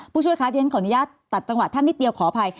ผู้ช่วยคะขออนุญาตตัดจังหวัดท่านนิดเดียวขออภัย